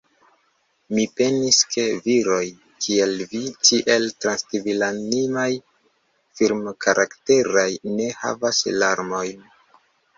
Mi penis, ke viroj, kiel vi, tiel trankvilanimaj, firmkarakteraj, ne havas larmojn.